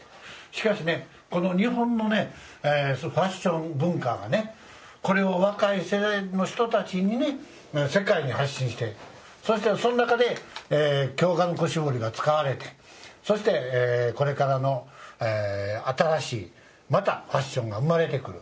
しかし、この日本のファッション文化がこれを若い世代の人たちに世界に発信してそして、その中で京鹿の子絞りが使われてそして、これからの新しいファッションが生まれてくる。